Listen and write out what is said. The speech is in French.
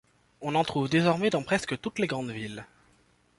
On en trouve désormais dans presque toutes les grandes villes.